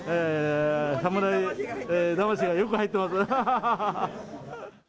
侍魂がよく入っています。